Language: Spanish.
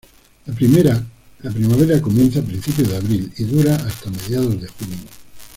La primavera comienza a principios de abril y dura hasta mediados de junio.